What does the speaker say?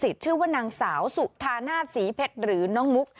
ชื่อว่านางสาวสุธานาศศรีเพชรหรือน้องมุก